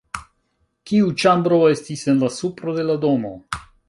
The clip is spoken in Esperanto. Kiu ĉambro estis en la supro de la domo?